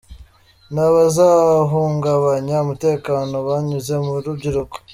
Nta bazahungabanya umutekano banyuze mu rubyiruko.